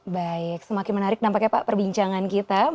baik semakin menarik nampaknya pak perbincangan kita